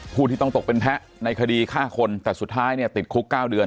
ผู้ที่ต้องตกเป็นแพ้ในคดีฆ่าคนแต่สุดท้ายเนี่ยติดคุก๙เดือน